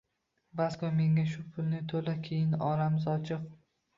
Vasko, menga shu pulni toʻla, keyin – oramiz ochiq…